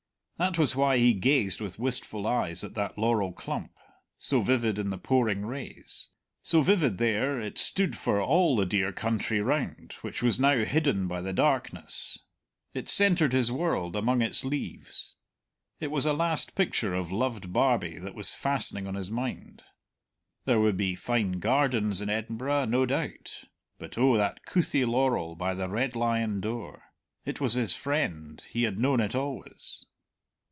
That was why he gazed with wistful eyes at that laurel clump, so vivid in the pouring rays. So vivid there, it stood for all the dear country round which was now hidden by the darkness; it centred his world among its leaves. It was a last picture of loved Barbie that was fastening on his mind. There would be fine gardens in Edinburgh, no doubt; but oh, that couthie laurel by the Red Lion door! It was his friend; he had known it always.